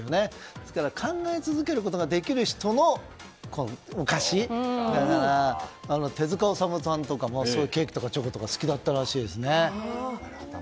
ですから、考え続けることができる人はお菓子が手塚治虫さんとかもすごくケーキとかチョコとか好きだったらしいですよ。